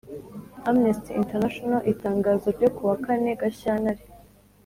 Amnesty International Itangazo ryo ku wa kane Gashyantare